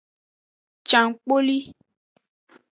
Cankpoli.